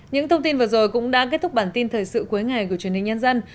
những thông tin vừa rồi cũng đã kết thúc bản tin thời sự cuối ngày của truyền hình nhân dân